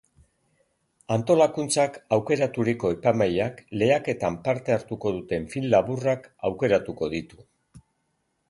Antolakuntzak aukeraturiko epaimahaiak lehiaketan parte hartuko duten film laburrak aukeratuko ditu.